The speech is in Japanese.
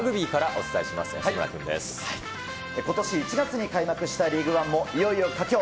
ことし１月に開幕したリーグワンもいよいよ佳境。